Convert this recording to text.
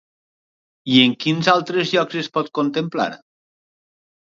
I en quins altres llocs es pot contemplar?